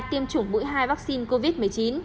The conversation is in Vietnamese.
tiêm chủng bụi hai vaccine covid một mươi chín